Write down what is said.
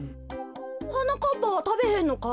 はなかっぱはたべへんのか？